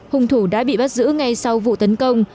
hùng thủ đã bị bắt giữ ngay sau vụ tấn công